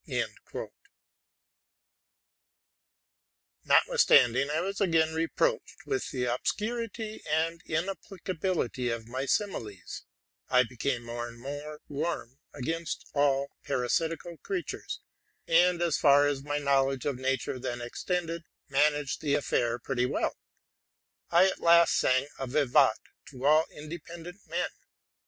Notwithstanding my being again reproached with the obscurity and inapplicability of my similes, I became more and more excited against all parasitical creatures, and, as far as my knowledge of nature then extended, managed the affair pretty well. I at last sang a vivat to all independent men.